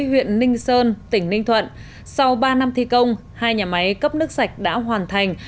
huyện ninh sơn tỉnh ninh thuận sau ba năm thi công hai nhà máy cấp nước sạch đã hoàn thành